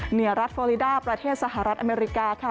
เหนือรัฐฟอลิดาประเทศสหรัฐอเมริกาค่ะ